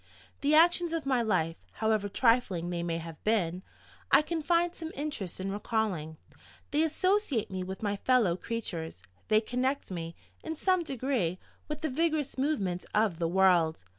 The actions of my life, however trifling they may have been, I can find some interest in recalling: they associate me with my fellow creatures; they connect me, in some degree, with the vigorous movement of the world.